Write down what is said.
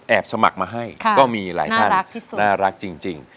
สมัครมาให้ก็มีหลายท่านน่ารักจริง